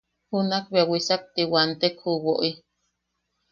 Junak bea wisakti wantek ju woʼi;.